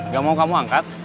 gak mau kamu angkat